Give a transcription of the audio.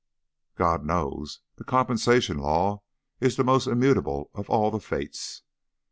"God knows. The compensation law is the most immutable of all the fates."